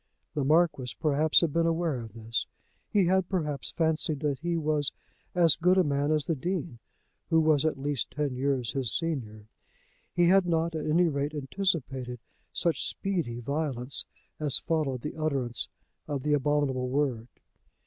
The Marquis, perhaps, had been aware of this. He had, perhaps, fancied that he was as good a man as the Dean who was at least ten years his senior. He had not at any rate anticipated such speedy violence as followed the utterance of the abominable word.